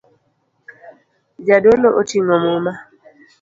Jadolo oting'o muma